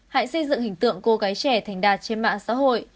hãy xây dựng hình tượng cô gái trẻ thành đạt trên mạng xã hội